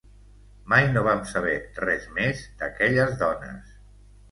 Mai no vam saber res més d'aquelles dones.